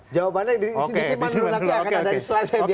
jawabannya disimpan dulu lagi akan ada di slide nya dia